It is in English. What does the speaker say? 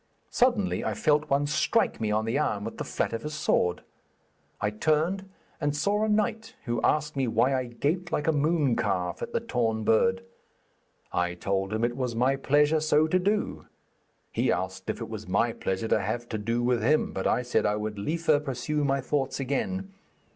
Suddenly I felt one strike me on the arm with the flat of his sword. I turned and saw a knight, who asked me why I gaped like a mooncalf at the torn bird. I told him it was my pleasure so to do. He asked if it was my pleasure to have to do with him, but I said I would liefer pursue my thoughts again.